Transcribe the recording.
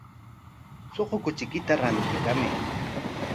Suqu kuchiykita rantikamay.